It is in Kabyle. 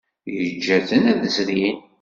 Yeǧǧa-ten ad zrin.